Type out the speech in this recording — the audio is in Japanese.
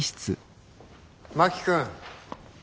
真木君